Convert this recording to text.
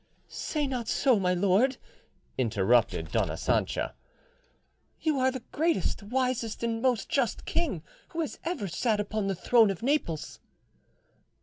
"Say not so, my lord," interrupted Dona Sancha; "you are the greatest, wisest, and most just king who has ever sat upon the throne of Naples."